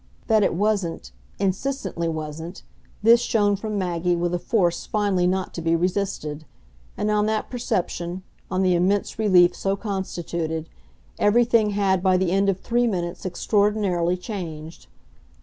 That it wasn't, insistently wasn't, this shone from Maggie with a force finally not to be resisted; and on that perception, on the immense relief so constituted, everything had by the end of three minutes extraordinarily changed.